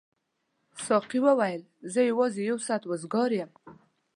ساقي وویل زه یوازې یو ساعت وزګار یم.